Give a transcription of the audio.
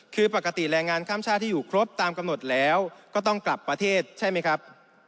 คือปกติแรงงานข้ามชาติที่อยู่ครบตามกำหนดแล้วก็ต้องกลับประเทศใช่ไหมครับ